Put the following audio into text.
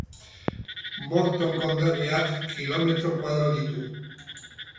Morton konderriak kilometro koadro ditu.